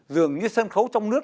dường như sân khấu trong nước